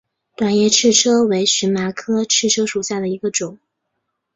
短叶赤车为荨麻科赤车属下的一个种。